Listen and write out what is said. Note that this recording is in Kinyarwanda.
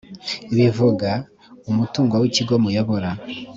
bivuga umutungo w ikigo muyobora